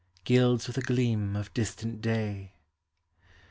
Gilds with a gleam of distant day.